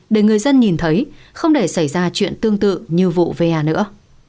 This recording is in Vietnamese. để người dân nhìn thấy không để xảy ra chuyện tương tự như vụ va nữa